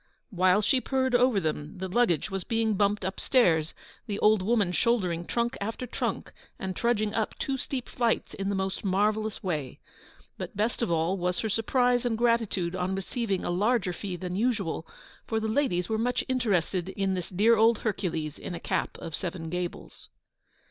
While she purred over them, the luggage was being bumped upstairs, the old woman shouldering trunk after trunk, and trudging up two steep flights in the most marvellous way. But best of all was her surprise and gratitude on receiving a larger fee than usual, for the ladies were much interested in this dear old Hercules in a cap of seven gables.